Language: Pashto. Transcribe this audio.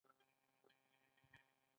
هغه د شګوفه په بڼه د مینې سمبول جوړ کړ.